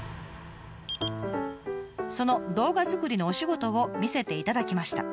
その動画作りのお仕事を見せていただきました。